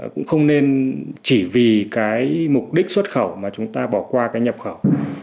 cũng không nên chỉ vì cái mục đích xuất khẩu mà chúng ta bỏ qua cái nhập khẩu